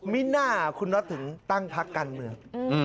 ไม่น่าคุณน็อตถึงตั้งพักการเมือง